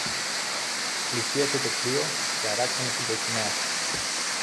Πλησίασε το πλοίο και αράξαμε στην προκυμαία